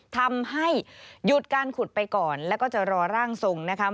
ทำให้หยุดการขุดไปก่อนแล้วก็จะรอร่างทรงนะคะ